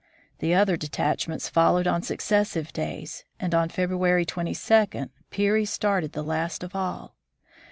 The other detachments followed on successive days, and on February 22, Peary started the last of all.